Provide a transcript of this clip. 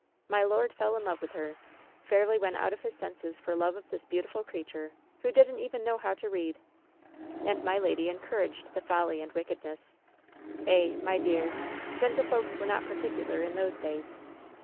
My lord fell in love with her. Fairly went out of his senses for love of this beautiful creature, who didn't even know how to read. "And my lady encouraged the folly and wickedneas. LOVE'S BITTEREST CUP 297 Eh, my dear, gentlefolks were not particular in those days.